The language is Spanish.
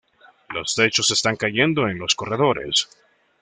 Los techos están cayendo en los corredores.